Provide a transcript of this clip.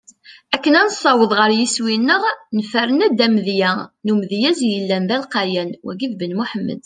Akken ad nessaweḍ ɣer yiswi-neɣ, nefren-d amedya n umedyaz yellan d alqayan: Wagi d Ben Muḥemmed.